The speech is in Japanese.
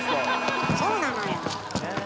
そうなのよ！